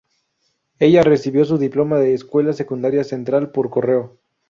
Ella recibió su diploma de escuela secundaria Central por correo.